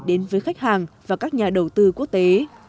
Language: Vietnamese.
đến với khách hàng và các nhà đầu tư quốc tế